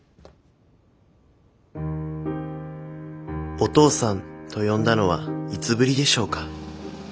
「お父さん」と呼んだのはいつぶりでしょうか？